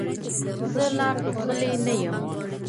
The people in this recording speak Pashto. زه لا ټوخلې نه یم.